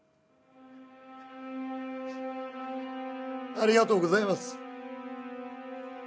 ありがとうございます！